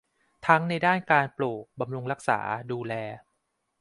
ทั้งในด้านการปลูก บำรุงรักษา ดูแล